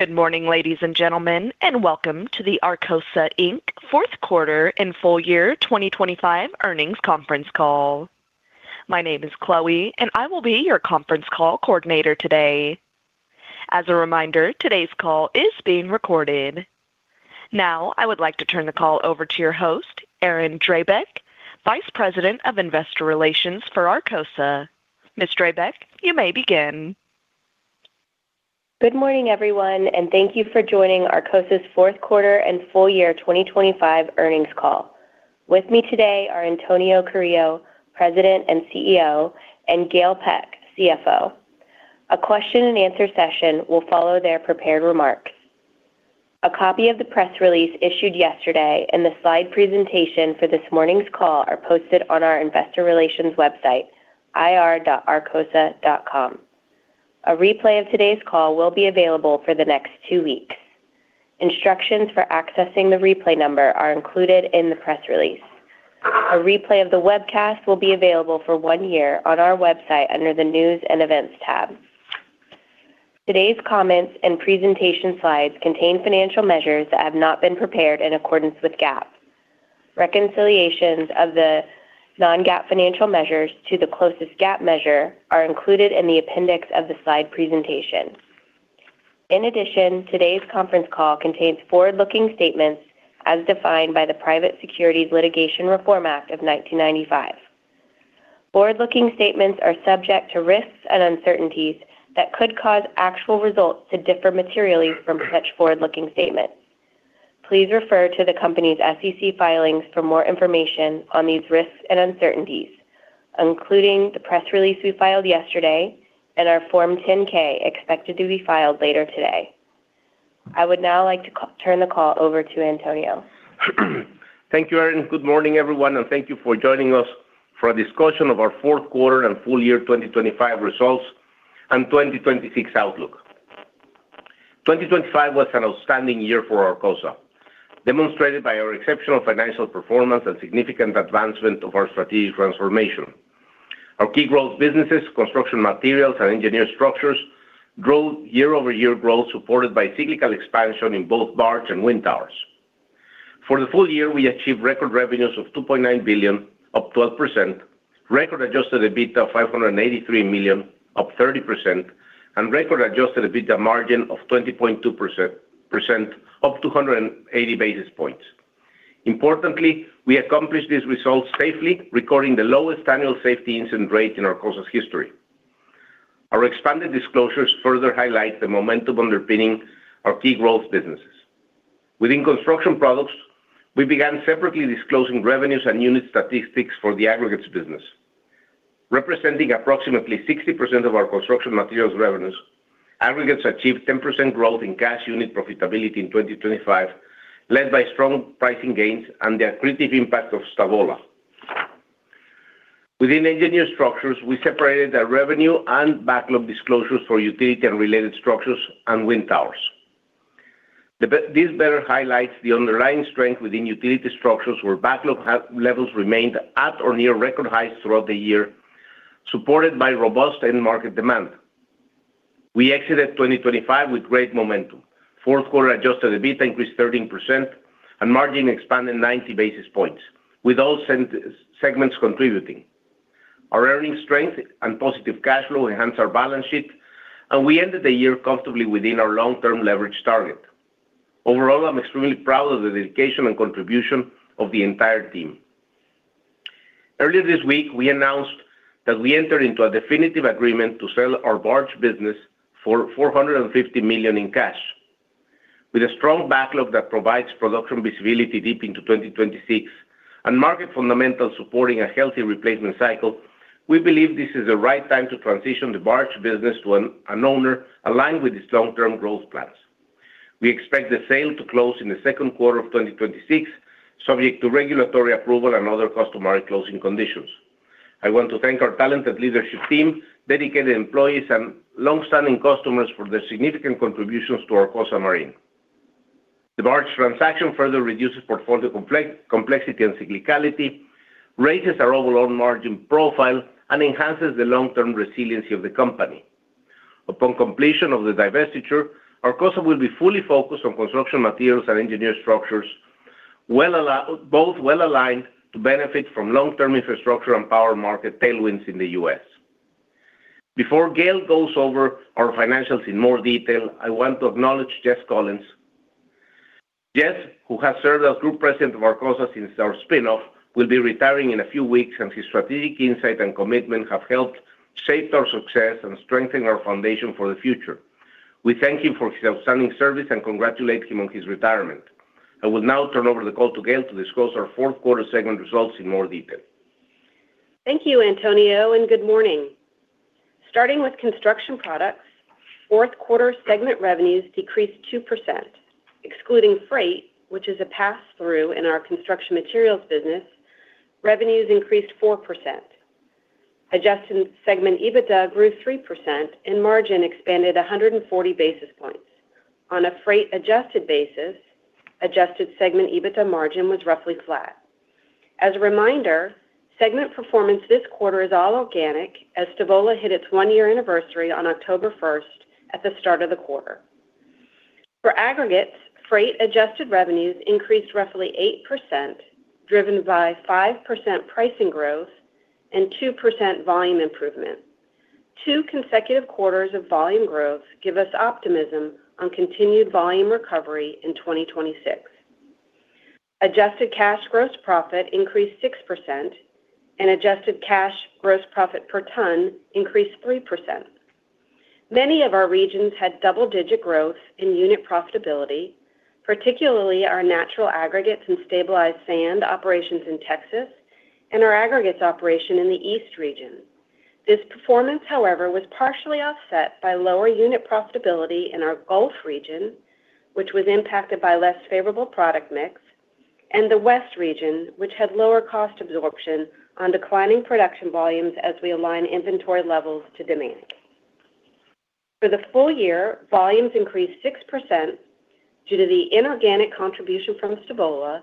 Good morning, ladies and gentlemen, and welcome to the Arcosa, Inc. fourth quarter and full year 2025 earnings conference call. My name is Chloe, and I will be your conference call coordinator today. As a reminder, today's call is being recorded. I would like to turn the call over to your host, Erin Drabek, Vice President of Investor Relations for Arcosa. Ms. Drabek, you may begin. Good morning, everyone, and thank thank you for joining Arcosa's fourth quarter and full year 2025 earnings call. With me today are Antonio Carrillo, President and CEO, and Gail Peck, CFO. A question and answer session will follow their prepared remarks. A copy of the press release issued yesterday and the slide presentation for this morning's call are posted on our Investor Relations website, ir.arcosa.com. A replay of today's call will be available for the next two weeks. Instructions for accessing the replay number are included in the press release. A replay of the webcast will be available for one year on our website under the News and Events tab. Today's comments and presentation slides contain financial measures that have not been prepared in accordance with GAAP. Reconciliations of the non-GAAP financial measures to the closest GAAP measure are included in the appendix of the slide presentation. In addition, today's conference call contains forward-looking statements as defined by the Private Securities Litigation Reform Act of 1995. Forward-looking statements are subject to risks and uncertainties that could cause actual results to differ materially from such forward-looking statements. Please refer to the company's SEC filings for more information on these risks and uncertainties, including the press release we filed yesterday and our Form 10-K, expected to be filed later today. I would now like to turn the call over to Antonio. Thank you, Erin. Good morning, everyone, and thank you for joining us for a discussion of our fourth quarter and full year 2025 results and 2026 outlook. 2025 was an outstanding year for Arcosa, demonstrated by our exceptional financial performance and significant advancement of our strategic transformation. Our key growth businesses, construction materials and engineered structures, drove year-over-year growth, supported by cyclical expansion in both barge and wind towers. For the full year, we achieved record revenues of $2.9 billion, up 12%, record Adjusted EBITDA of $583 million, up 30%, and record Adjusted EBITDA margin of 20.2%, up 280 basis points. Importantly, we accomplished these results safely, recording the lowest annual safety incident rate in Arcosa's history. Our expanded disclosures further highlight the momentum underpinning our key growth businesses. Within construction products, we began separately disclosing revenues and unit statistics for the aggregates business. Representing approximately 60% of our construction materials revenues, aggregates achieved 10% growth in cash unit profitability in 2025, led by strong pricing gains and the accretive impact of Stavola. Within engineered structures, we separated our revenue and backlog disclosures for utility and related structures and wind towers. This better highlights the underlying strength within utility structures, where backlog levels remained at or near record highs throughout the year, supported by robust end market demand. We exited 2025 with great momentum. Fourth quarter Adjusted EBITDA increased 13% and margin expanded 90 basis points, with all segments contributing. Our earnings strength and positive cash flow enhanced our balance sheet, and we ended the year comfortably within our long-term leverage target. Overall, I'm extremely proud of the dedication and contribution of the entire team. Earlier this week, we announced that we entered into a definitive agreement to sell our Barge business for $450 million in cash. With a strong backlog that provides production visibility deep into 2026 and market fundamentals supporting a healthy replacement cycle, we believe this is the right time to transition the Barge business to an owner aligned with its long-term growth plans. We expect the sale to close in the second quarter of 2026, subject to regulatory approval and other customary closing conditions. I want to thank our talented leadership team, dedicated employees, and long-standing customers for their significant contributions to Arcosa Marine. The barge transaction further reduces portfolio complexity and cyclicality, raises our overall margin profile, and enhances the long-term resiliency of the company. Upon completion of the divestiture, Arcosa will be fully focused on construction materials and engineered structures, well aligned to benefit from long-term infrastructure and power market tailwinds in the U.S. Before Gail goes over our financials in more detail, I want to acknowledge Jess Collins. Jess, who has served as Group President of Arcosa since our spin-off, will be retiring in a few weeks. His strategic insight and commitment have helped shaped our success and strengthen our foundation for the future. We thank him for his outstanding service and congratulate him on his retirement. I will now turn over the call to Gail to discuss our fourth quarter segment results in more detail. Thank you, Antonio. Good morning. Starting with construction products, fourth quarter segment revenues decreased 2%. Excluding freight, which is a pass-through in our Construction Materials business, revenues increased 4%. Adjusted segment EBITDA grew 3%. Margin expanded 140 basis points. On a freight-adjusted basis, adjusted segment EBITDA margin was roughly flat. As a reminder, segment performance this quarter is all organic, as Stavola hit its one-year anniversary on October 1st, at the start of the quarter. For aggregates, freight adjusted revenues increased roughly 8%, driven by 5% pricing growth and 2% volume improvement. Two consecutive quarters of volume growth give us optimism on continued volume recovery in 2026. Adjusted cash gross profit increased 6%, and adjusted cash gross profit per ton increased 3%. Many of our regions had double-digit growth in unit profitability, particularly our natural aggregates and stabilized sand operations in Texas and our aggregates operation in the East region. This performance, however, was partially offset by lower unit profitability in our Gulf region, which was impacted by less favorable product mix, and the West region, which had lower cost absorption on declining production volumes as we align inventory levels to demand. For the full year, volumes increased 6% due to the inorganic contribution from Stavola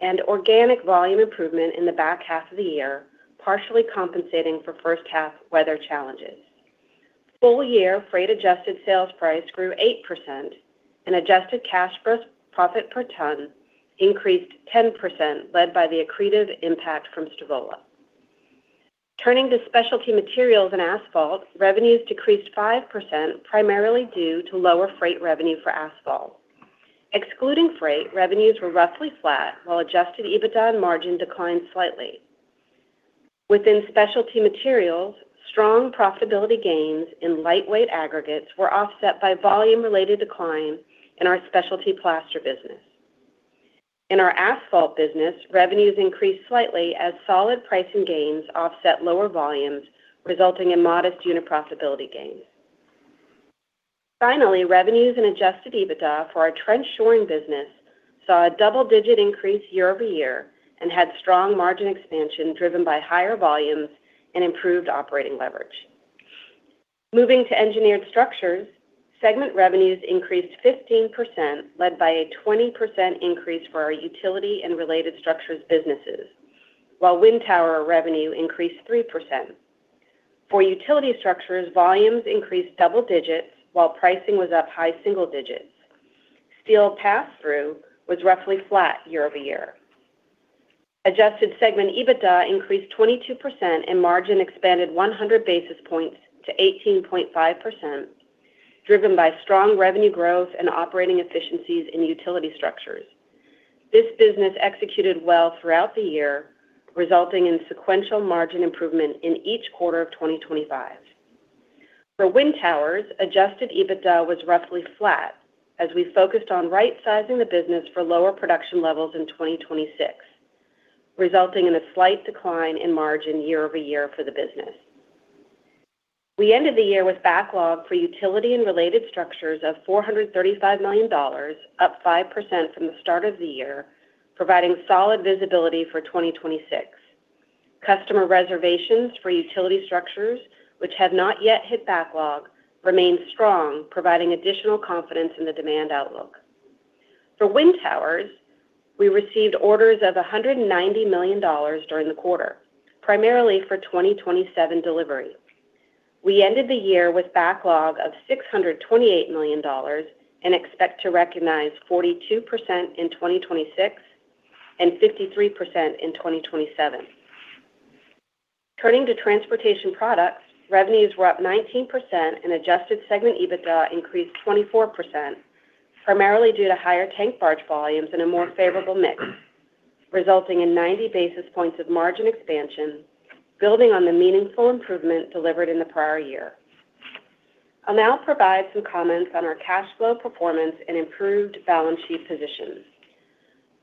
and organic volume improvement in the back half of the year, partially compensating for first half weather challenges. Full-year freight adjusted sales price grew 8%, and adjusted cash gross profit per ton increased 10%, led by the accretive impact from Stavola. Turning to specialty materials and asphalt, revenues decreased 5%, primarily due to lower freight revenue for asphalt. Excluding freight, revenues were roughly flat, while adjusted EBITDA and margin declined slightly. Within specialty materials, strong profitability gains in lightweight aggregates were offset by volume-related decline in our Specialty Plaster business. In our Asphalt business, revenues increased slightly as solid pricing gains offset lower volumes, resulting in modest unit profitability gains. Revenues and Adjusted EBITDA for our Trench Shoring business saw a double-digit increase year-over-year and had strong margin expansion, driven by higher volumes and improved operating leverage. Moving to engineered structures, segment revenues increased 15%, led by a 20% increase for our utility and related structures businesses, while wind tower revenue increased 3%. For utility structures, volumes increased double digits while pricing was up high single digits. Steel pass-through was roughly flat year-over-year. Adjusted segment EBITDA increased 22%, and margin expanded 100 basis points to 18.5%, driven by strong revenue growth and operating efficiencies in utility structures. This business executed well throughout the year, resulting in sequential margin improvement in each quarter of 2025. For wind towers, Adjusted EBITDA was roughly flat as we focused on right-sizing the business for lower production levels in 2026, resulting in a slight decline in margin year-over-year for the business. We ended the year with backlog for utility and related structures of $435 million, up 5% from the start of the year, providing solid visibility for 2026. Customer reservations for utility structures, which have not yet hit backlog, remain strong, providing additional confidence in the demand outlook. For wind towers, we received orders of $190 million during the quarter, primarily for 2027 delivery. We ended the year with backlog of $628 million and expect to recognize 42% in 2026 and 53% in 2027. Turning to transportation products, revenues were up 19% and Adjusted segment EBITDA increased 24%, primarily due to higher tank barge volumes and a more favorable mix, resulting in 90 basis points of margin expansion, building on the meaningful improvement delivered in the prior year. I'll now provide some comments on our cash flow performance and improved balance sheet positions.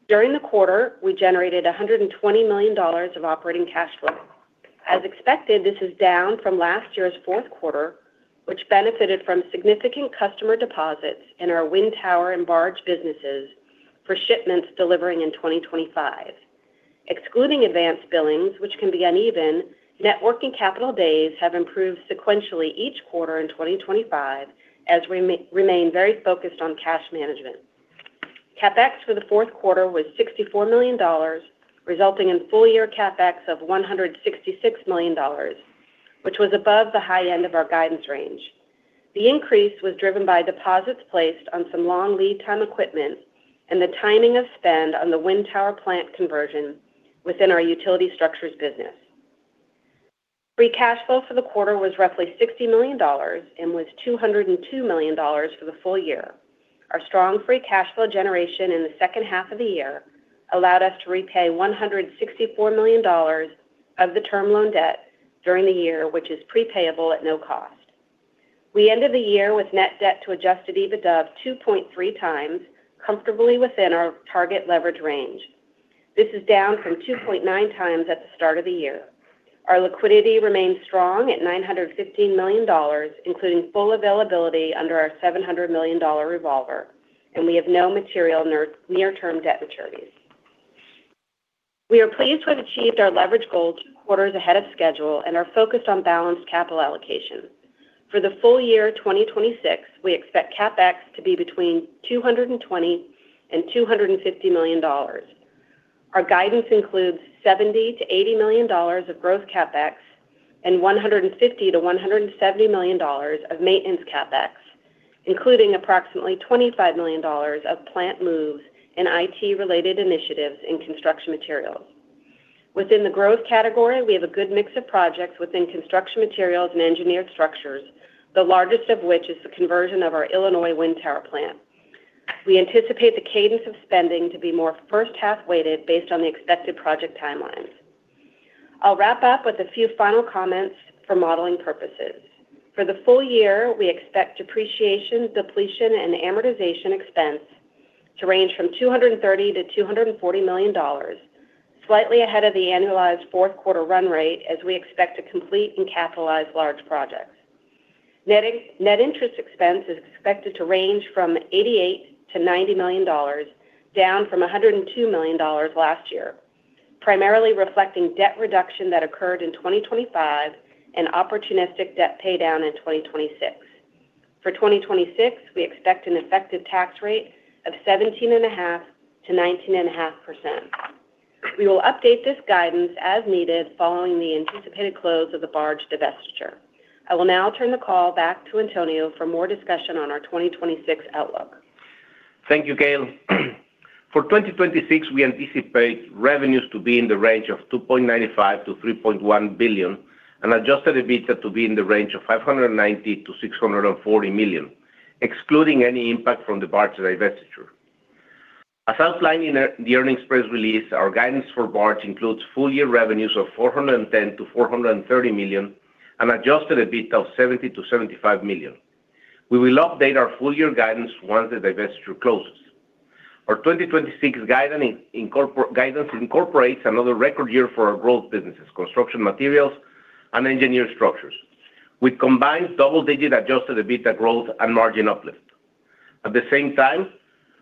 During the quarter, we generated $120 million of operating cash flow. As expected, this is down from last year's fourth quarter, which benefited from significant customer deposits in our Wind Tower and Barge businesses for shipments delivering in 2025. Excluding advanced billings, which can be uneven, net working capital days have improved sequentially each quarter in 2025, as we remain very focused on cash management. CapEx for the fourth quarter was $64 million, resulting in full year CapEx of $166 million, which was above the high end of our guidance range. The increase was driven by deposits placed on some long lead time equipment and the timing of spend on the wind tower plant conversion within our Utility Structures business. Free cash flow for the quarter was roughly $60 million and was $202 million for the full year. Our strong free cash flow generation in the second half of the year allowed us to repay $164 million of the term loan debt during the year, which is prepayable at no cost. We ended the year with net debt to Adjusted EBITDA of 2.3x, comfortably within our target leverage range. This is down from 2.9x at the start of the year. Our liquidity remains strong at $915 million, including full availability under our $700 million revolver. We have no material near-term debt maturities. We are pleased we've achieved our leverage goal two quarters ahead of schedule and are focused on balanced capital allocation. For the full year, 2026, we expect CapEx to be between $220 million and $250 million. Our guidance includes $70 million-$80 million of growth CapEx and $150 million-$170 million of maintenance CapEx, including approximately $25 million of plant moves and IT-related initiatives in construction materials. Within the growth category, we have a good mix of projects within construction materials and engineered structures, the largest of which is the conversion of our Illinois wind tower plant. We anticipate the cadence of spending to be more first half-weighted based on the expected project timelines. I'll wrap up with a few final comments for modeling purposes. For the full year, we expect depreciation, depletion, and amortization expense to range from $230 million-$240 million, slightly ahead of the annualized fourth quarter run rate, as we expect to complete and capitalize large projects. Net interest expense is expected to range from $88 million-$90 million, down from $102 million last year, primarily reflecting debt reduction that occurred in 2025 and opportunistic debt paydown in 2026. For 2026, we expect an effective tax rate of 17.5%-19.5%. We will update this guidance as needed following the anticipated close of the barge divestiture. I will now turn the call back to Antonio for more discussion on our 2026 outlook. Thank you, Gail. For 2026, we anticipate revenues to be in the range of $2.95 billion-$3.1 billion, Adjusted EBITDA to be in the range of $590 million-$640 million, excluding any impact from the barge divestiture. As outlined in the earnings press release, our guidance for barge includes full-year revenues of $410 million-$430 million and Adjusted EBITDA of $70 million-$75 million. We will update our full-year guidance once the divestiture closes. Our 2026 guidance incorporates another record year for our growth businesses, construction materials and engineered structures, with combined double-digit Adjusted EBITDA growth and margin uplift. At the same time,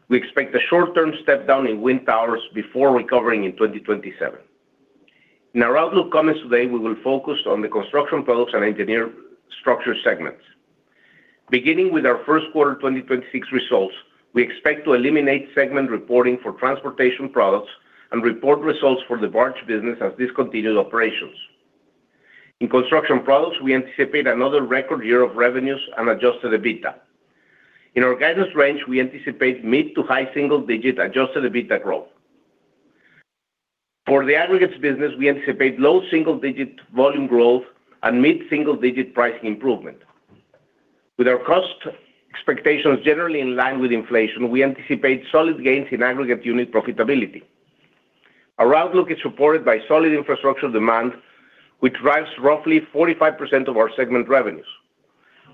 we expect a short-term step down in wind towers before recovering in 2027. In our outlook comments today, we will focus on the Construction Products and Engineered Structure segments. Beginning with our first quarter 2026 results, we expect to eliminate segment reporting for Transportation Products and report results for the Barge business as discontinued operations. In Construction Products, we anticipate another record year of revenues and Adjusted EBITDA. In our guidance range, we anticipate mid to high single-digit Adjusted EBITDA growth. For the Aggregates business, we anticipate low single-digit volume growth and mid-single-digit pricing improvement. With our cost expectations generally in line with inflation, we anticipate solid gains in aggregate unit profitability. Our outlook is supported by solid infrastructure demand, which drives roughly 45% of our segment revenues.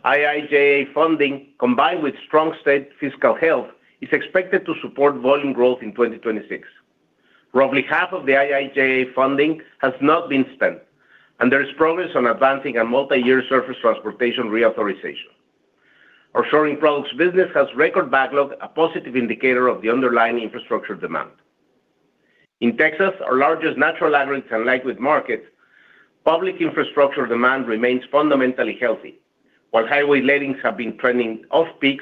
IIJA funding, combined with strong state fiscal health, is expected to support volume growth in 2026. Roughly half of the IIJA funding has not been spent. There is progress on advancing a multi-year surface transportation reauthorization. Our Shoring Products business has record backlog, a positive indicator of the underlying infrastructure demand. In Texas, our largest natural aggregates and liquid market, public infrastructure demand remains fundamentally healthy. While highway lettings have been trending off-peak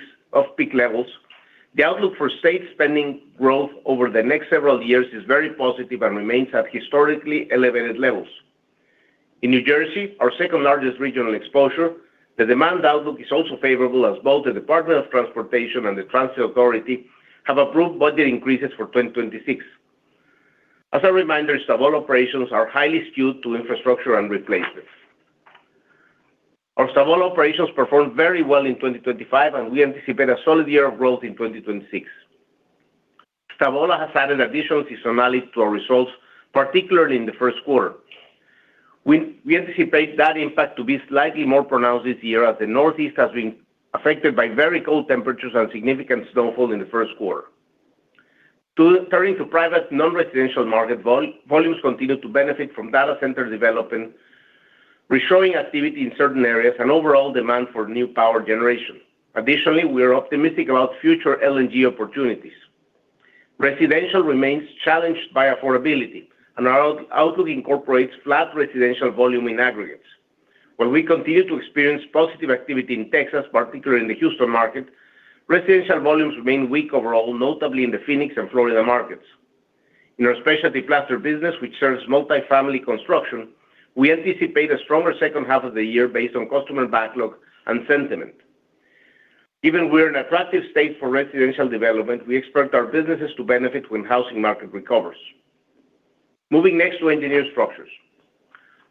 levels, the outlook for state spending growth over the next several years is very positive and remains at historically elevated levels. In New Jersey, our second-largest regional exposure, the demand outlook is also favorable, as both the Department of Transportation and the Transit Authority have approved budget increases for 2026. As a reminder, Stavola operations are highly skewed to infrastructure and replacements. Our Stavola operations performed very well in 2025, and we anticipate a solid year of growth in 2026. Stavola has added additional seasonality to our results, particularly in the first quarter. We anticipate that impact to be slightly more pronounced this year, as the Northeast has been affected by very cold temperatures and significant snowfall in the first quarter. Turning to private, non-residential market, volumes continue to benefit from data center development, reshoring activity in certain areas, and overall demand for new power generation. We are optimistic about future LNG opportunities. Residential remains challenged by affordability. Our outlook incorporates flat residential volume in aggregates. While we continue to experience positive activity in Texas, particularly in the Houston market, residential volumes remain weak overall, notably in the Phoenix and Florida markets. In our Specialty Plaster business, which serves multi-family construction, we anticipate a stronger second half of the year based on customer backlog and sentiment. Given we are an attractive state for residential development, we expect our businesses to benefit when housing market recovers. Moving next to Engineered Structures.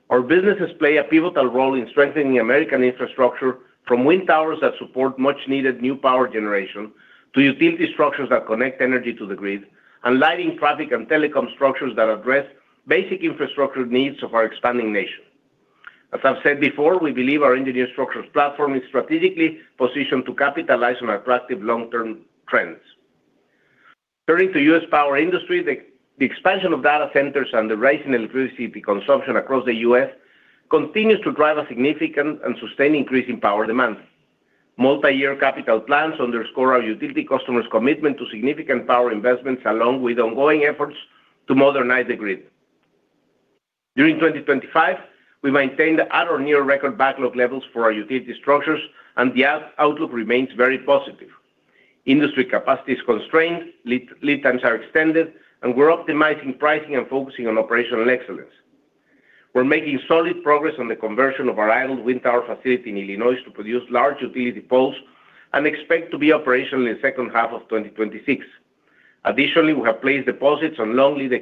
Our businesses play a pivotal role in strengthening American infrastructure, from wind towers that support much-needed new power generation, to utility structures that connect energy to the grid, and lighting, traffic, and telecom structures that address basic infrastructure needs of our expanding nation. As I've said before, we believe our Engineered Structures platform is strategically positioned to capitalize on attractive long-term trends. Turning to the U.S. power industry, the expansion of data centers and the rise in electricity consumption across the U.S. continues to drive a significant and sustained increase in power demand. Multi-year capital plans underscore our utility customers' commitment to significant power investments, along with ongoing efforts to modernize the grid. During 2025, we maintained at or near record backlog levels for our utility structures. The outlook remains very positive. Industry capacity is constrained, lead times are extended. We're optimizing pricing and focusing on operational excellence. We're making solid progress on the conversion of our idle wind tower facility in Illinois to produce large utility poles and expect to be operational in the second half of 2026. Additionally, we have placed deposits on long lead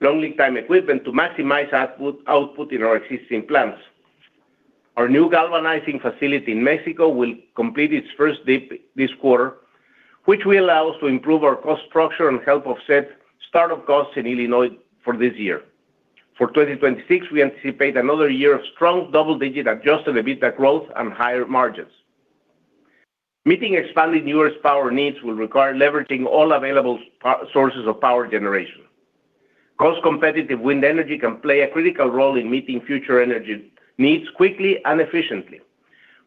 time equipment to maximize output in our existing plants. Our new galvanizing facility in Mexico will complete its first dip this quarter, which will allow us to improve our cost structure and help offset start-up costs in Illinois for this year. For 2026, we anticipate another year of strong double-digit Adjusted EBITDA growth and higher margins. Meeting expanding U.S. power needs will require leveraging all available sources of power generation. Cost-competitive wind energy can play a critical role in meeting future energy needs quickly and efficiently.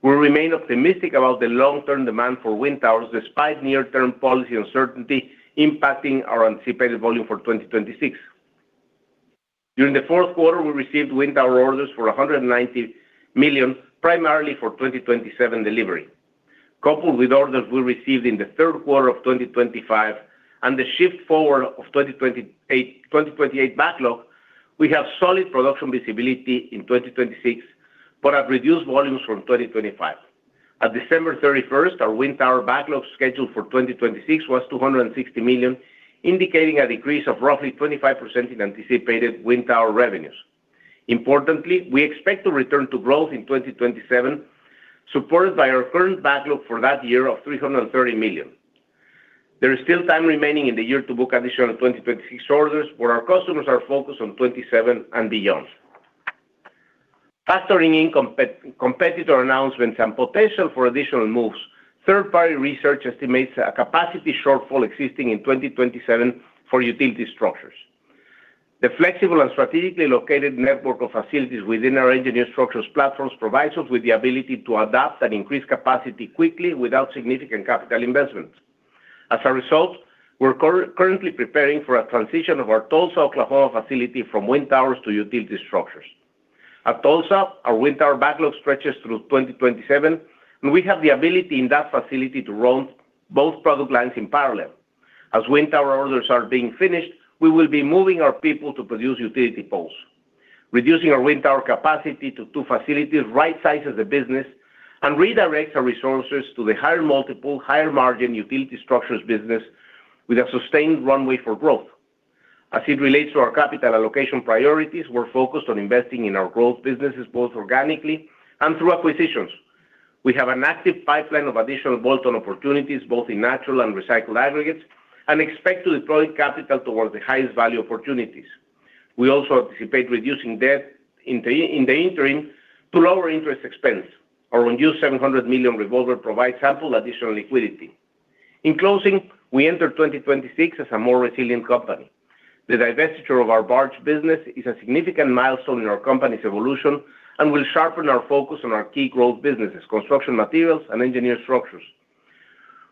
We remain optimistic about the long-term demand for wind towers, despite near-term policy uncertainty impacting our anticipated volume for 2026. During the fourth quarter, we received wind tower orders for $190 million, primarily for 2027 delivery. Coupled with orders we received in the third quarter of 2025 and the shift forward of 2028 backlog, we have solid production visibility in 2026, but at reduced volumes from 2025. At December 31st, our wind tower backlog scheduled for 2026 was $260 million, indicating a decrease of roughly 25% in anticipated wind tower revenues. Importantly, we expect to return to growth in 2027, supported by our current backlog for that year of $330 million. There is still time remaining in the year to book additional 2026 orders, where our customers are focused on 2027 and beyond. Factoring in competitor announcements and potential for additional moves, third-party research estimates a capacity shortfall existing in 2027 for utility structures. The flexible and strategically located network of facilities within our engineered structures platforms provides us with the ability to adapt and increase capacity quickly without significant capital investments. As a result, we're currently preparing for a transition of our Tulsa, Oklahoma, facility from wind towers to utility structures. At Tulsa, our wind tower backlog stretches through 2027, and we have the ability in that facility to run both product lines in parallel. As wind tower orders are being finished, we will be moving our people to produce utility poles. Reducing our wind tower capacity to two facilities rightsizes the business and redirects our resources to the higher multiple, higher margin utility structures business with a sustained runway for growth. As it relates to our capital allocation priorities, we're focused on investing in our growth businesses, both organically and through acquisitions. We have an active pipeline of additional bolt-on opportunities, both in natural and recycled aggregates, and expect to deploy capital towards the highest value opportunities. We also anticipate reducing debt in the interim to lower interest expense. Our unused $700 million revolver provides ample additional liquidity. In closing, we enter 2026 as a more resilient company. The divestiture of our Barge business is a significant milestone in our company's evolution and will sharpen our focus on our key growth businesses, construction materials and engineered structures.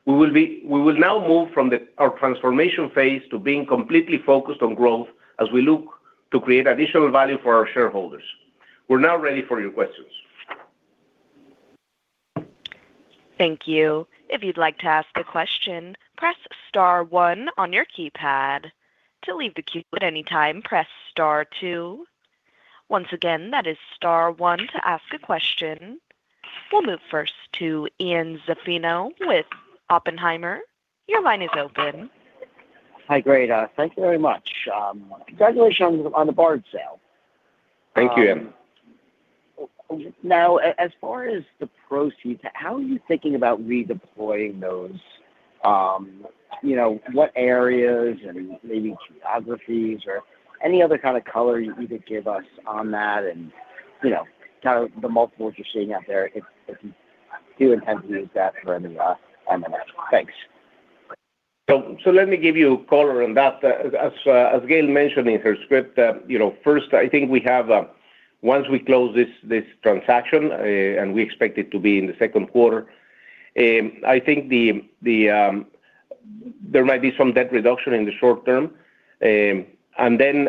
We will now move from our transformation phase to being completely focused on growth as we look to create additional value for our shareholders. We're now ready for your questions. Thank you. If you'd like to ask a question, press star one on your keypad. To leave the queue at any time, press star two. Once again, that is star one to ask a question. We'll move first to Ian Zaffino with Oppenheimer. Your line is open. Hi, great. Thank you very much. Congratulations on the barge sale. Thank you, Ian. As far as the proceeds, how are you thinking about redeploying those, you know, what areas and maybe geographies or any other kind of color you could give us on that and, you know, kind of the multiples you're seeing out there, if you do intend to use that for any M&A. Thanks. Let me give you color on that. As Gail mentioned in her script, you know, first, I think we have, once we close this transaction, and we expect it to be in the second quarter, I think the there might be some debt reduction in the short term.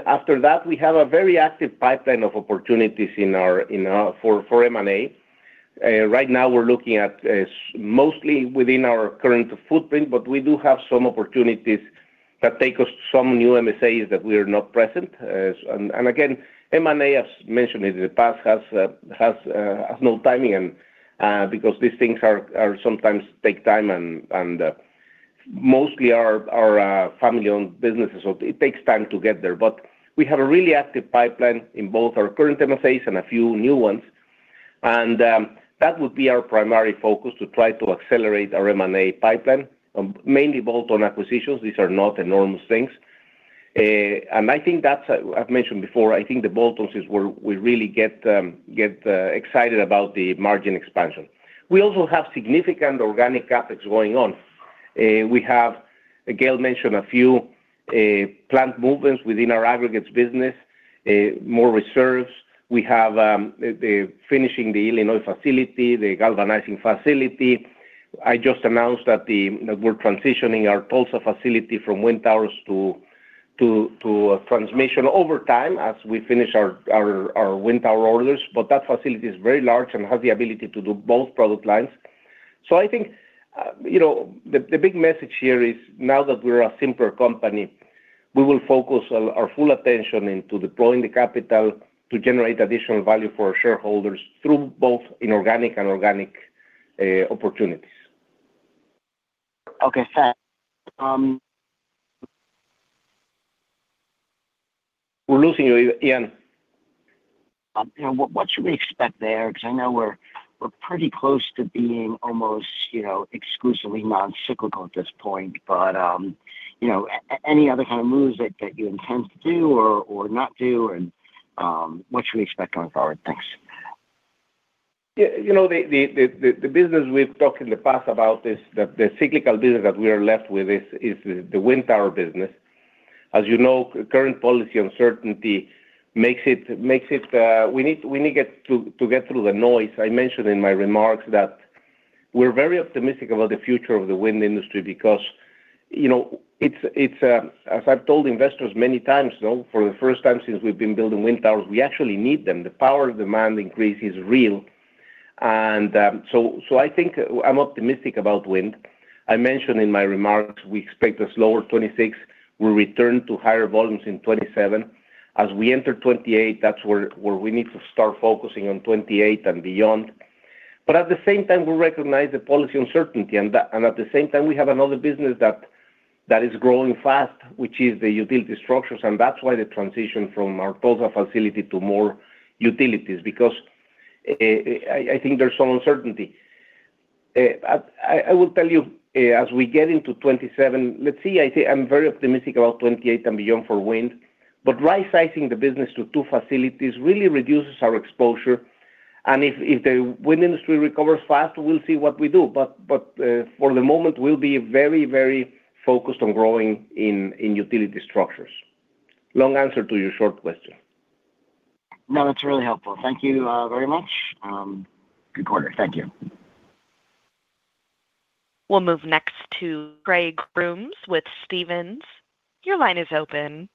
After that, we have a very active pipeline of opportunities in our for M&A. Right now, we're looking at mostly within our current footprint, we do have some opportunities that take us to some new MSAs that we are not present. Again, M&A, as mentioned in the past, has no timing, and because these things are sometimes take time and mostly are family-owned businesses, so it takes time to get there. We have a really active pipeline in both our current MSAs and a few new ones, and that would be our primary focus, to try to accelerate our M&A pipeline, mainly bolt-on acquisitions. These are not enormous things. I think that's, I've mentioned before, I think the bolt-ons is where we really get excited about the margin expansion. We also have significant organic CapEx going on. We have, Gail mentioned a few plant movements within our Aggregates business, more reserves. We have, the finishing the Illinois facility, the galvanizing facility. I just announced that, you know, we're transitioning our Tulsa facility from wind towers to transmission over time as we finish our wind tower orders. That facility is very large and has the ability to do both product lines. I think, you know, the big message here is now that we're a simpler company, we will focus our full attention into deploying the capital to generate additional value for our shareholders through both inorganic and organic opportunities. Okay, thanks. We're losing you, Ian. You know, what should we expect there? Because I know we're pretty close to being almost, you know, exclusively non-cyclical at this point. You know, any other kind of moves that you intend to do or not do, and, what should we expect going forward? Thanks. You know, the business we've talked in the past about is the Cyclical business that we are left with is the Wind Tower business. As you know, current policy uncertainty makes it we need it to get through the noise. I mentioned in my remarks that we're very optimistic about the future of the wind industry because, you know, it's, as I've told investors many times, though, for the first time since we've been building wind towers, we actually need them. The power demand increase is real, so I think I'm optimistic about wind. I mentioned in my remarks, we expect a slower 2026. We'll return to higher volumes in 2027. As we enter 2028, that's where we need to start focusing on 2028 and beyond. At the same time, we recognize the policy uncertainty, we have another business that is growing fast, which is the utility structures, and that's why the transition from our Tulsa facility to more utilities. I think there's some uncertainty. I will tell you, as we get into 2027, let's see, I say I'm very optimistic about 2028 and beyond for wind, but right-sizing the business to two facilities really reduces our exposure, and if the wind industry recovers fast, we'll see what we do. For the moment, we'll be very, very focused on growing in utility structures. Long answer to your short question. No, that's really helpful. Thank you, very much. Good quarter. Thank you. We'll move next to Trey Grooms with Stephens. Your line is open.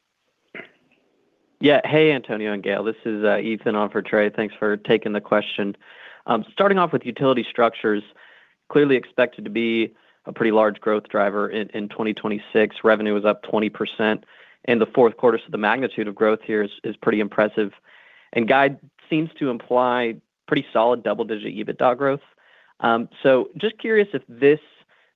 Hey, Antonio and Gail, this is Ethan on for Trey. Thanks for taking the question. Starting off with utility structures, clearly expected to be a pretty large growth driver in 2026. Revenue was up 20% in the fourth quarter, so the magnitude of growth here is pretty impressive. Guide seems to imply pretty solid double-digit EBITDA growth. Just curious if this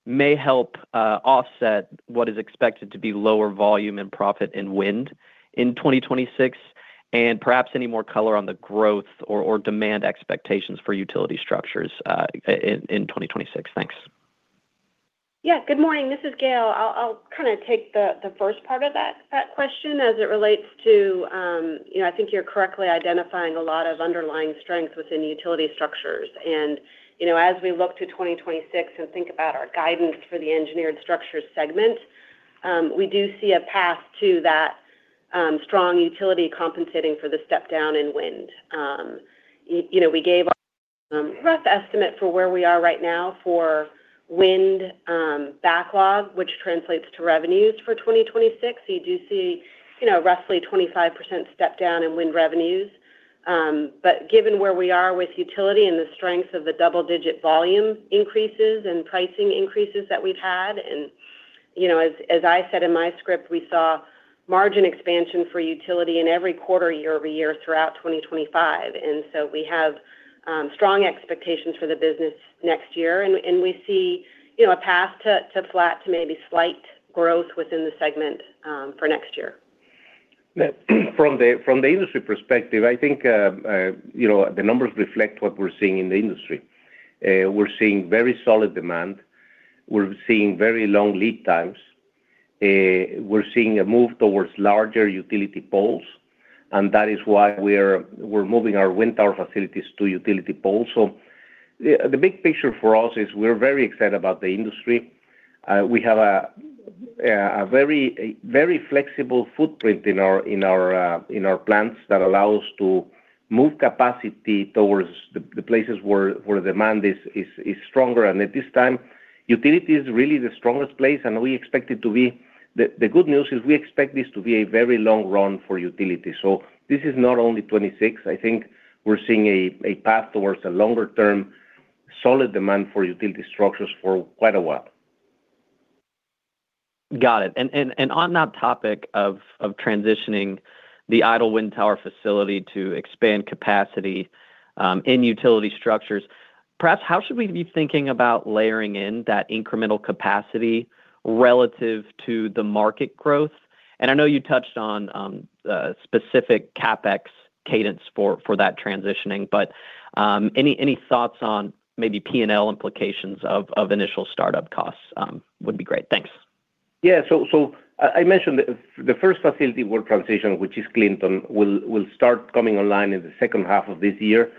may help offset what is expected to be lower volume and profit in wind in 2026, and perhaps any more color on the growth or demand expectations for utility structures in 2026. Thanks. Yeah. Good morning. This is Gail. I'll kind of take the first part of that question as it relates to, you know, I think you're correctly identifying a lot of underlying strength within the utility structures. You know, as we look to 2026 and think about our guidance for the Engineered Structure segment, we do see a path to that strong utility compensating for the step down in wind. You know, we gave a rough estimate for where we are right now for wind backlog, which translates to revenues for 2026. You do see, you know, roughly 25% step down in wind revenues. Given where we are with utility and the strength of the double-digit volume increases and pricing increases that we've had, and, you know, as I said in my script, we saw margin expansion for utility in every quarter, year-over-year, throughout 2025. We have strong expectations for the business next year, and we see, you know, a path to flat, to maybe slight growth within the segment for next year. From the industry perspective, I think, you know, the numbers reflect what we're seeing in the industry. We're seeing very solid demand. We're seeing very long lead times. We're seeing a move towards larger utility poles, and that is why we're moving our wind tower facilities to utility poles. The big picture for us is we're very excited about the industry. We have a very, very flexible footprint in our, in our plants that allow us to move capacity towards the places where demand is stronger. At this time, utility is really the strongest place, and we expect it to be. The good news is we expect this to be a very long run for utility. This is not only 2026. I think we're seeing a path towards a longer term, solid demand for utility structures for quite a while. Got it. On that topic of transitioning the idle wind tower facility to expand capacity in utility structures, perhaps how should we be thinking about layering in that incremental capacity relative to the market growth? I know you touched on specific CapEx cadence for that transitioning, but any thoughts on maybe P&L implications of initial startup costs would be great. Thanks. Yeah. I mentioned the first facility we're transitioning, which is Clinton, will start coming online in the second half of this year.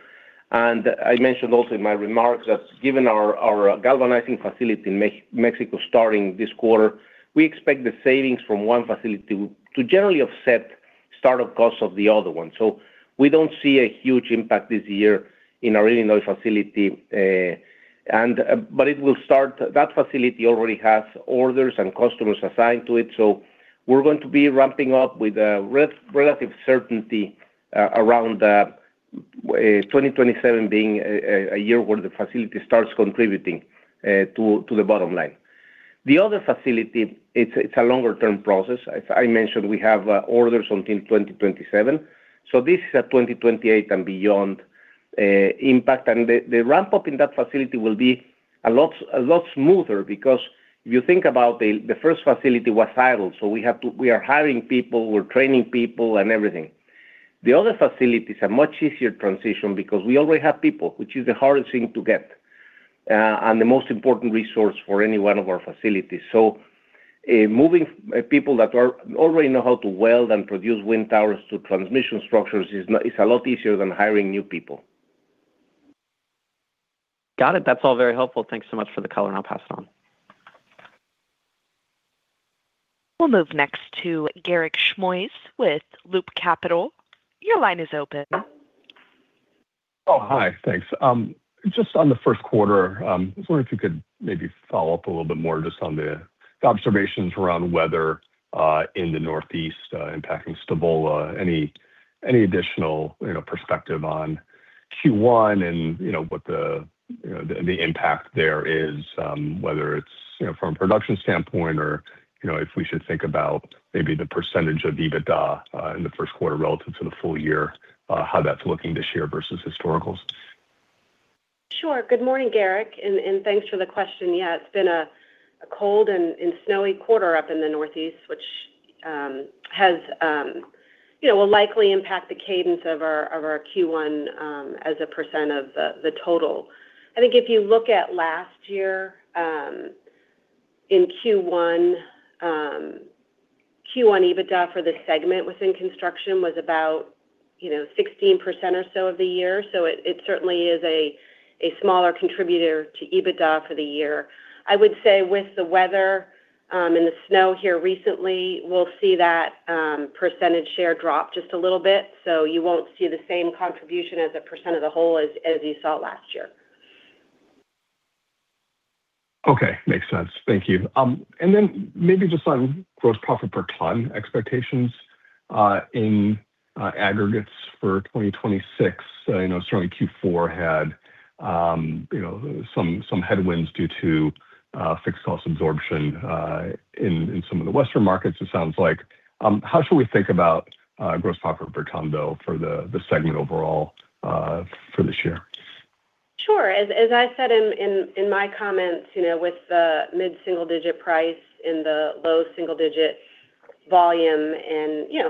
I mentioned also in my remarks that given our galvanizing facility in Mexico starting this quarter, we expect the savings from one facility to generally offset startup costs of the other one. We don't see a huge impact this year in our Illinois facility, but it will start. That facility already has orders and customers assigned to it, so we're going to be ramping up with relative certainty around 2027 being a year where the facility starts contributing to the bottom line. The other facility, it's a longer-term process. As I mentioned, we have orders until 2027, so this is a 2028 and beyond impact. The ramp-up in that facility will be a lot smoother because if you think about the first facility was idle, so we are hiring people, we're training people, and everything. The other facilities are much easier transition because we already have people, which is the hardest thing to get and the most important resource for any one of our facilities. Moving people that already know how to weld and produce wind towers to transmission structures is a lot easier than hiring new people. Got it. That's all very helpful. Thanks so much for the color, and I'll pass it on. We'll move next to Garik Shmois with Loop Capital. Your line is open. Hi. Thanks. Just on the first quarter, I was wondering if you could maybe follow up a little bit more just on the observations around weather in the Northeast impacting Stavola. Any additional, you know, perspective on Q1 and, you know, what the impact there is, whether it's, you know, from a production standpoint or, you know, if we should think about maybe the percentage of EBITDA in the first quarter relative to the full year, how that's looking this year versus historicals? Sure. Good morning, Garik, and thanks for the question. Yeah, it's been a cold and snowy quarter up in the Northeast, which has, you know, will likely impact the cadence of our Q1, as a percent of the total. I think if you look at last year, in Q1 EBITDA for the segment within construction was about, you know, 16% or so of the year. It certainly is a smaller contributor to EBITDA for the year. I would say with the weather, and the snow here recently, we'll see that percentage share drop just a little bit. You won't see the same contribution as a percentage of the whole as you saw last year. Okay. Makes sense. Thank you. Then maybe just on gross profit per ton expectations, in aggregates for 2026. I know certainly Q4 had, you know, some headwinds due to fixed cost absorption, in some of the western markets, it sounds like. How should we think about gross profit per ton, though, for the segment overall, for this year? Sure. As I said in my comments, you know, with the mid-single-digit price and the low single-digit volume, and, you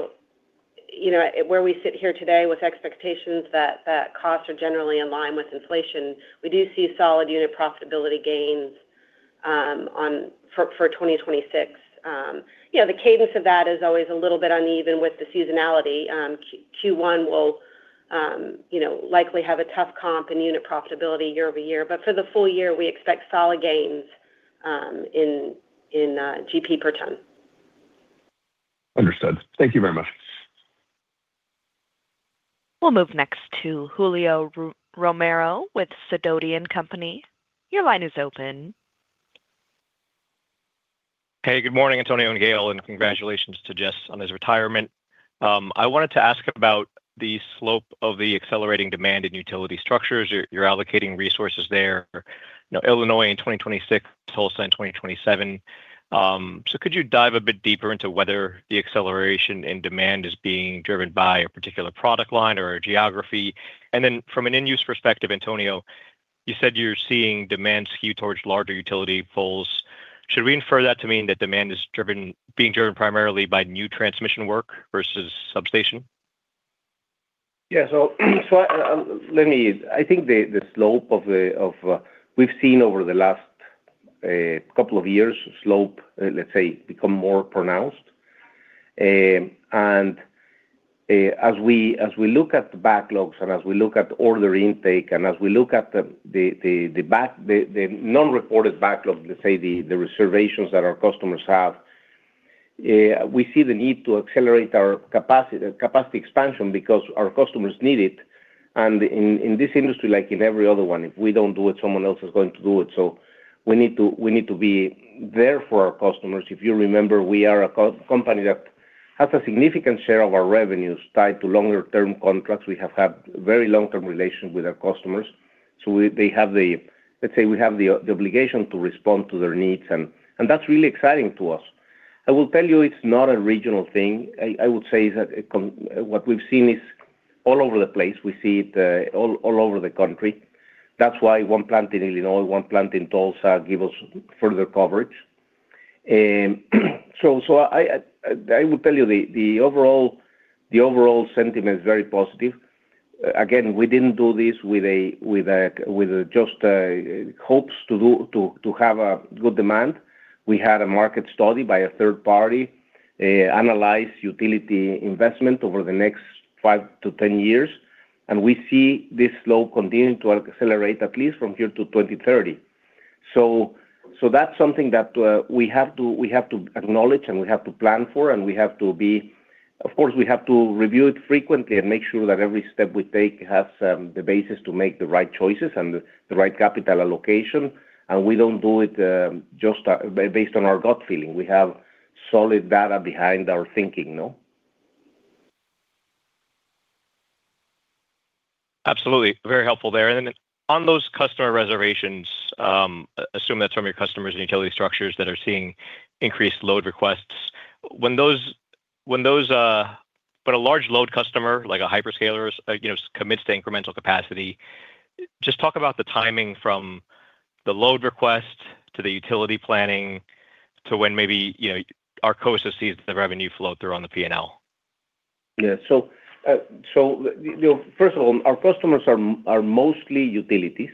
know, where we sit here today, with expectations that costs are generally in line with inflation, we do see solid unit profitability gains for 2026. You know, the cadence of that is always a little bit uneven with the seasonality. Q1 will, you know, likely have a tough comp in unit profitability year-over-year. For the full year, we expect solid gains in GP per ton. Understood. Thank you very much. We'll move next to Julio Romero with Sidoti & Company. Your line is open. Hey, good morning, Antonio and Gail, congratulations to Jess on his retirement. I wanted to ask about the slope of the accelerating demand in utility structures. You're allocating resources there, you know, Illinois in 2026, Tulsa in 2027. Could you dive a bit deeper into whether the acceleration in demand is being driven by a particular product line or a geography? From an in-use perspective, Antonio, you said you're seeing demand skew towards larger utility poles. Should we infer that to mean that demand is being driven primarily by new transmission work versus substation? Yeah, I think the slope of the we've seen over the last couple of years, slope, let's say, become more pronounced. As we look at the backlogs and as we look at order intake and as we look at the non-reported backlog, let's say the reservations that our customers have, we see the need to accelerate our capacity expansion because our customers need it. In this industry, like in every other one, if we don't do it, someone else is going to do it. We need to be there for our customers. If you remember, we are a company that has a significant share of our revenues tied to longer-term contracts. We have had very long-term relations with our customers, so we, they have the, we have the obligation to respond to their needs, and that's really exciting to us. I will tell you, it's not a regional thing. I would say that what we've seen is all over the place. We see it all over the country. That's why one plant in Illinois, one plant in Tulsa, give us further coverage. I would tell you the overall sentiment is very positive. Again, we didn't do this with just a hopes to have a good demand. We had a market study by a third party, analyze utility investment over the next five to ten years. We see this slow continuing to accelerate at least from here to 2030. That's something that we have to acknowledge, and we have to plan for, and of course, we have to review it frequently and make sure that every step we take has the basis to make the right choices and the right capital allocation. We don't do it, just, based on our gut feeling. We have solid data behind our thinking, no. Absolutely. Very helpful there. Then on those customer reservations, I assume that's from your customers and utility structures that are seeing increased load requests. A large load customer, like a hyperscaler, you know, commits to incremental capacity, just talk about the timing from the load request to the utility planning to when maybe, you know, Arcosa sees the revenue flow through on the P&L. Yeah. First of all, our customers are mostly utilities.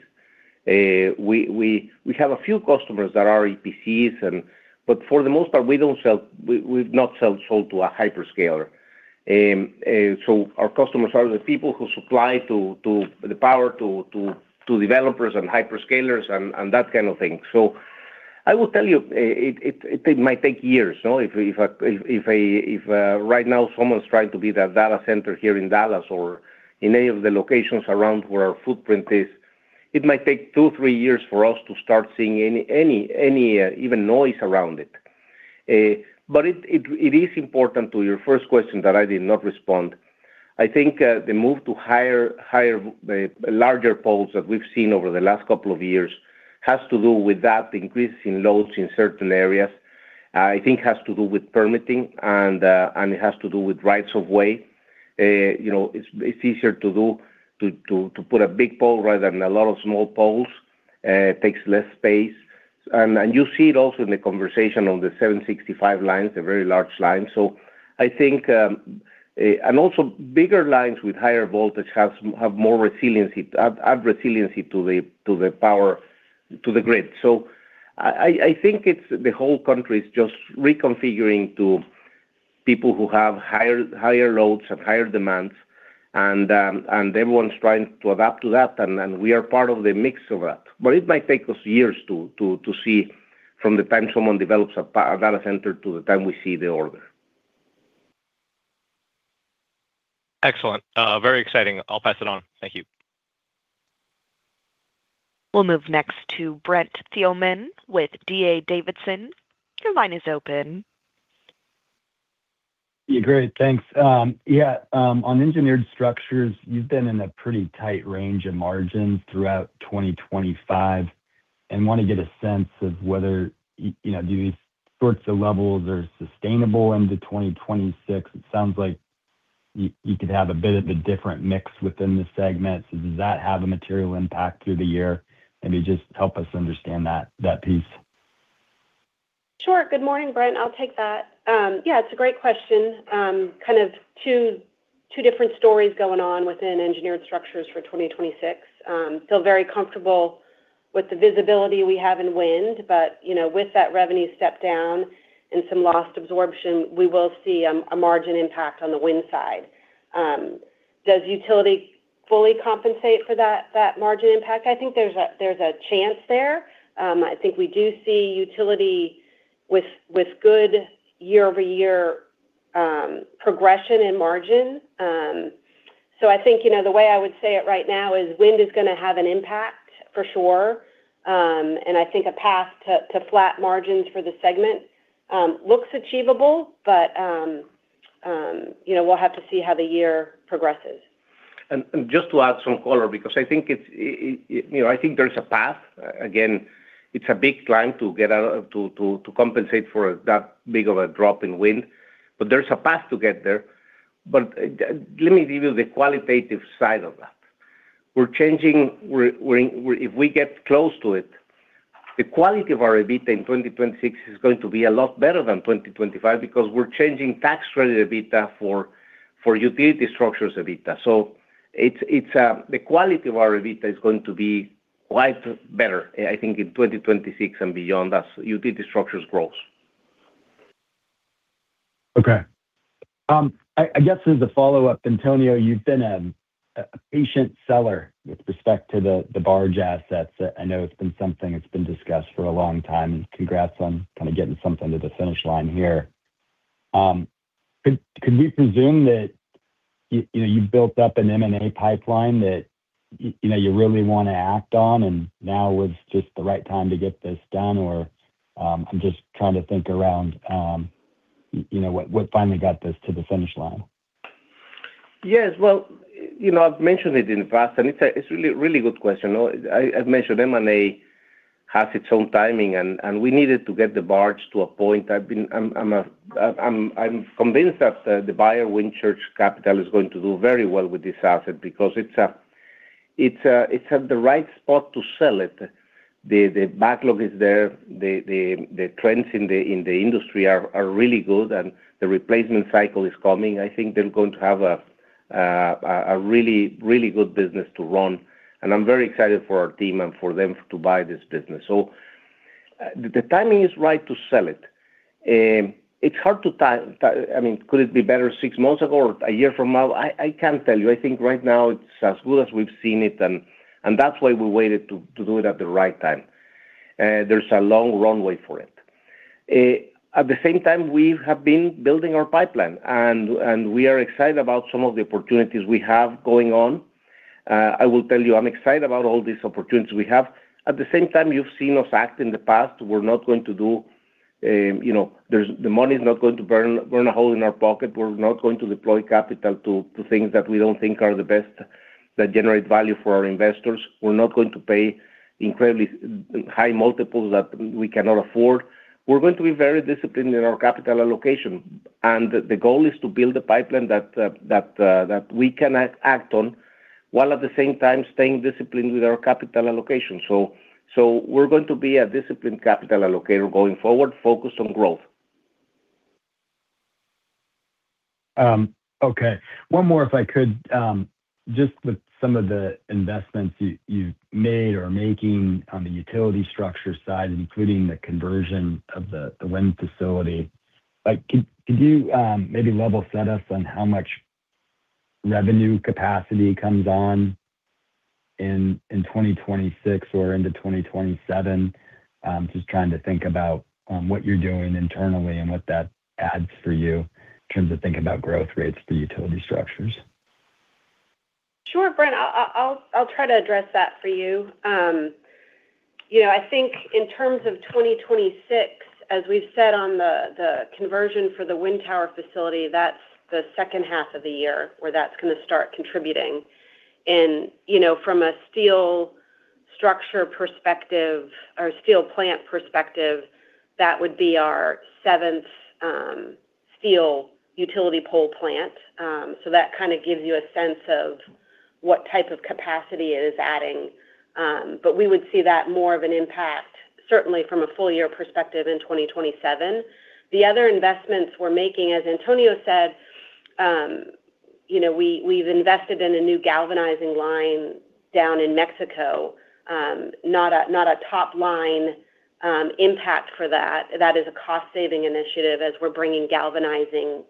We have a few customers that are EPCs, but for the most part, we don't sell, we've not sold to a hyperscaler. Our customers are the people who supply the power to developers and hyperscalers and that kind of thing. I will tell you, it might take years, you know. If right now someone's trying to build a data center here in Dallas or in any of the locations around where our footprint is, it might take two, three years for us to start seeing any even noise around it. It is important to your first question that I did not respond. I think the move to higher, larger poles that we've seen over the last couple of years has to do with that increase in loads in certain areas. I think has to do with permitting, and it has to do with rights of way. You know, it's easier to do, to put a big pole rather than a lot of small poles. It takes less space. You see it also in the conversation on the 765 lines, the very large lines. I think. Also bigger lines with higher voltage have more resiliency, add resiliency to the power, to the grid. I think it's the whole country is just reconfiguring to people who have higher loads and higher demands, and everyone's trying to adapt to that, and we are part of the mix of that. It might take us years to see from the time someone develops a data center to the time we see the order. Excellent. Very exciting. I'll pass it on. Thank you. We'll move next to Brent Thielman with D.A. Davidson. Your line is open. Yeah, great. Thanks. Yeah, on engineered structures, you've been in a pretty tight range of margins throughout 2025. I want to get a sense of whether, you know, do these sorts of levels are sustainable into 2026. It sounds like you could have a bit of a different mix within the segment. Does that have a material impact through the year? Maybe just help us understand that piece. Sure. Good morning, Brent. I'll take that. Yeah, it's a great question. Kind of two different stories going on within engineered structures for 2026. Feel very comfortable with the visibility we have in wind, but, you know, with that revenue step down and some lost absorption, we will see a margin impact on the wind side. Does utility fully compensate for that margin impact? I think there's a chance there. I think we do see utility with good year-over-year progression in margin. I think, you know, the way I would say it right now is wind is gonna have an impact for sure, and I think a path to flat margins for the segment looks achievable, but, you know, we'll have to see how the year progresses. Just to add some color, because I think it's, you know, I think there's a path. Again, it's a big climb to get out of, to compensate for that big of a drop in wind, but there's a path to get there. Let me give you the qualitative side of that. We're changing, we're, if we get close to it, the quality of our EBITDA in 2026 is going to be a lot better than 2025 because we're changing tax credit EBITDA for utility structures EBITDA. It's, the quality of our EBITDA is going to be quite better, I think, in 2026 and beyond as utility structures grows. Okay. I guess as a follow-up, Antonio, you've been a patient seller with respect to the barge assets. I know it's been something that's been discussed for a long time. Congrats on kind of getting something to the finish line here. Could we presume that you know, you built up an M&A pipeline that you know, you really want to act on, and now was just the right time to get this done? I'm just trying to think around, you know, what finally got this to the finish line? Yes. Well, you know, I've mentioned it in the past, and it's a really, really good question. You know, I've mentioned M&A has its own timing, and we needed to get the barge to a point. I'm convinced that the buyer, Wynnchurch Capital, is going to do very well with this asset because it's at the right spot to sell it. The backlog is there, the trends in the industry are really good, and the replacement cycle is coming. I think they're going to have a really, really good business to run, and I'm very excited for our team and for them to buy this business. The timing is right to sell it. It's hard to time. I mean, could it be better six months ago or one year from now? I can't tell you. I think right now it's as good as we've seen it, and that's why we waited to do it at the right time. There's a long runway for it. At the same time, we have been building our pipeline, and we are excited about some of the opportunities we have going on. I will tell you, I'm excited about all these opportunities we have. At the same time, you've seen us act in the past. You know, the money's not going to burn a hole in our pocket. We're not going to deploy capital to things that we don't think are the best, that generate value for our investors. We're not going to pay incredibly high multiples that we cannot afford. We're going to be very disciplined in our capital allocation. The goal is to build a pipeline that we can act on, while at the same time staying disciplined with our capital allocation. We're going to be a disciplined capital allocator going forward, focused on growth. Okay. One more, if I could. Just with some of the investments you've made or are making on the utility structure side, including the conversion of the wind facility. Like, could you maybe level set us on how much revenue capacity comes on in 2026 or into 2027? Just trying to think about what you're doing internally and what that adds for you in terms of thinking about growth rates for utility structures. Sure, Brent. I'll try to address that for you. You know, I think in terms of 2026, as we've said on the conversion for the wind tower facility, that's the second half of the year where that's going to start contributing. You know, from a steel structure perspective or steel plant perspective, that would be our seventh steel utility pole plant. That kind of gives you a sense of what type of capacity it is adding. But we would see that more of an impact, certainly from a full year perspective in 2027. The other investments we're making, as Antonio said, you know, we've invested in a new galvanizing line down in Mexico. Not a top-line impact for that. That is a cost-saving initiative, as we're bringing galvanizing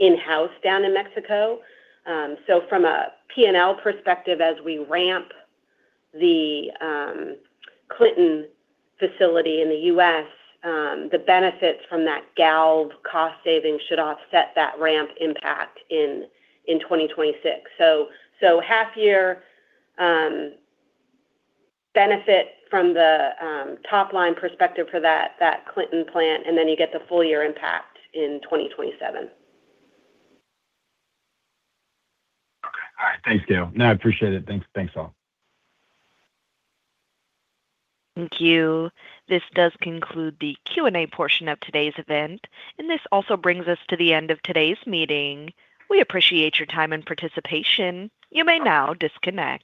in-house down in Mexico. From a P&L perspective, as we ramp the Clinton facility in the U.S., the benefits from that galv cost saving should offset that ramp impact in 2026. Half year benefit from the top-line perspective for that Clinton plant, and then you get the full year impact in 2027. Okay. All right. Thanks, Gail. I appreciate it. Thanks. Thanks, all. Thank you. This does conclude the Q&A portion of today's event. This also brings us to the end of today's meeting. We appreciate your time and participation. You may now disconnect.